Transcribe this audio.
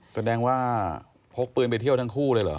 แสดงว่าพกปืนไปเที่ยวทั้งคู่เลยเหรอ